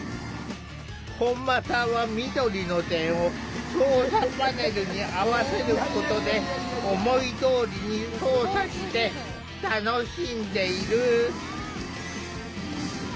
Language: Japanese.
本間さんは緑の点を操作パネルに合わせることで思いどおりに操作して楽しんでいる。